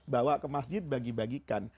bawa ke masjid bagi bagikan